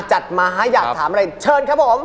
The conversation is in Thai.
จัดมาอยากถามอะไรเชิญครับผม